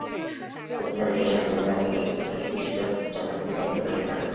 কক্সবাজার সদর হাসপাতালে নেওয়া হলে কর্তব্যরত চিকিৎসা কর্মকর্তা তাঁদের মৃত ঘোষণা করেন।